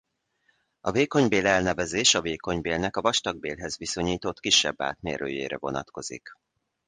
A vékonybél elnevezés a vékonybélnek a vastagbélhez viszonyított kisebb átmérőjére vonatkozik.